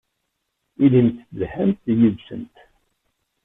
Ilimt telhamt yid-sent.